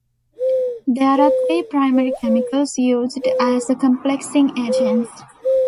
There are three primary chemicals used as the complexing agents.